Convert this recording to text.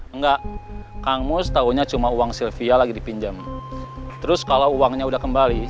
enggak kamu setahunya cuma uang sylvia lagi dipinjam terus kalau uangnya udah kembali